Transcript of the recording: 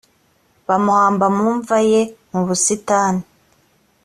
bamuhamba mu mva ye mu busitani